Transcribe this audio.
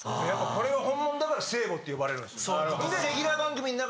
これが本物だから聖母って呼ばれるんですよ。